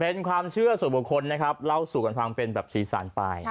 เป็นความเชื่อส่วนบุคคลนะครับเล่าสู่กันฟังเป็นแบบสีสันไป